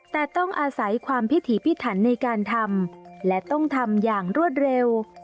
แต่ต้องอาศัยความพิถีพิถันในการทำและต้องทำอย่างรวดเร็ว